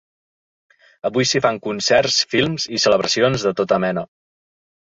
Avui s’hi fan concerts, films i celebracions de tota mena.